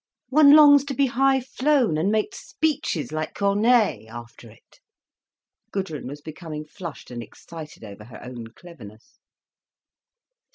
One longs to be high flown, and make speeches like Corneille, after it." Gudrun was becoming flushed and excited over her own cleverness.